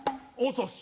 遅し。